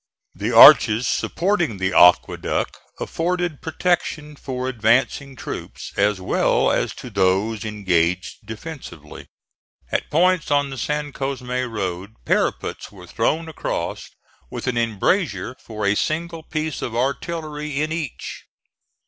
The arches supporting the aqueduct afforded protection for advancing troops as well as to those engaged defensively. At points on the San Cosme road parapets were thrown across, with an embrasure for a single piece of artillery in each.